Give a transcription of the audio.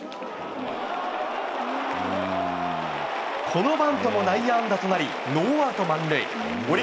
このバントも内野安打となり、ノーアウト満塁。